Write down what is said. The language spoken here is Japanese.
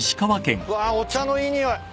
うわお茶のいい匂い。